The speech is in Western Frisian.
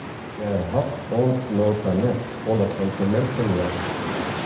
Dêr hat oant no ta net folle fan te merken west.